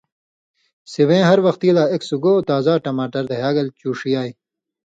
سِوَیں ہر وختی لا ایک سُگو تازا ٹماٹر دھیاگلے چُوݜیائ۔